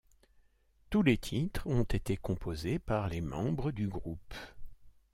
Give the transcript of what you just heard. Tous les titres ont été composés par les membres du groupe.